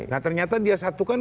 nah ternyata dia satukan